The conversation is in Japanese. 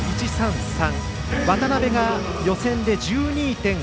渡部が予選で１２．５００。